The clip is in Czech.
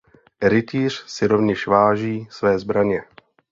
Rytíř si rovněž váží své zbraně.